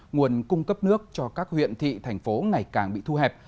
nguồn cung cấp nước cho các huyện thị thành phố ngày càng bị thu hẹp